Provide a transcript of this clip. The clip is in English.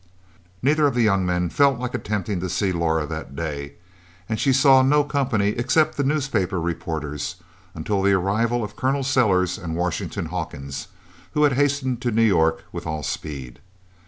Neither of the young men felt like attempting to see Laura that day, and she saw no company except the newspaper reporters, until the arrival of Col. Sellers and Washington Hawkins, who had hastened to New York with all speed.